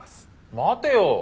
待てよ！